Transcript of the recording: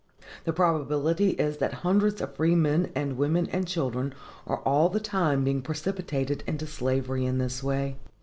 The probability is that hundreds of free men and women and children are all the time being precipitated into slavery in this way.